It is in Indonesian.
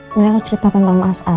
mendingan aku cerita tentang mas al